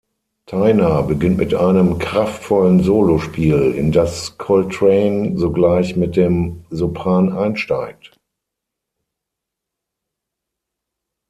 Tyner beginnt mit einem kraftvollen Solospiel, in das Coltrane sogleich mit dem Sopran einsteigt.